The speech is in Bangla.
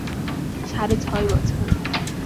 সাড়ে ছয় বছর।